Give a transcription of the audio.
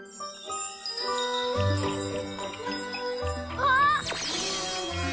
あっ！